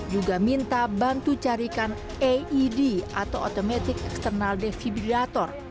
juga minta bantu carikan aed atau automatic external defibirator